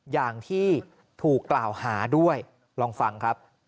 อย่างที่ถูกกล่าวหาด้วยลองฟังครับ